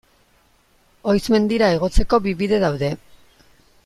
Oiz mendira igotzeko bi bide daude.